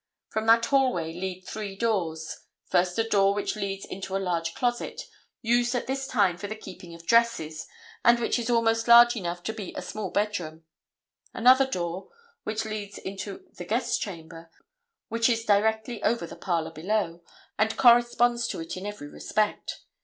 From that hallway lead three doors: first, a door which leads into a large closet, used at this time for the keeping of dresses, and which is almost large enough to be a small bedroom; another door, which leads into the guest chamber, which is directly over the parlor below, and corresponds to it in every respect.